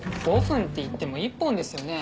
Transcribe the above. ５分っていっても１本ですよね？